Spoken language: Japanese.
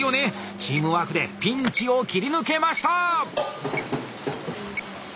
チームワークでピンチを切り抜けました！